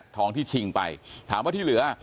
ทองที่ชิงไปถามว่าที่เหลือ